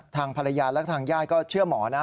ทางภรรยาและทางญาติก็เชื่อหมอนะ